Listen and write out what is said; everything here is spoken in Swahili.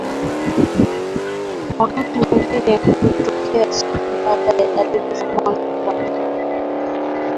wakati mwingine hutokea siku baada ya dalili za mwanzo kuonekana